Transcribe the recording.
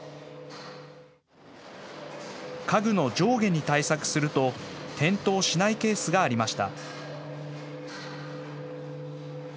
家具の上下に対策すると転倒しないケースがありました。